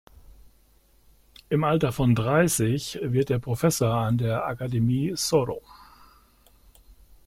Im Alter von dreißig wird er Professor an der Akademie Sorø.